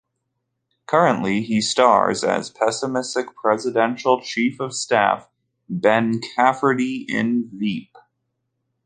Currently he stars as pessimistic Presidential Chief of Staff Ben Cafferty in "Veep".